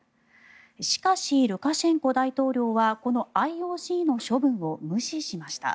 しかし、ルカシェンコ大統領はこのＩＯＣの処分を無視しました。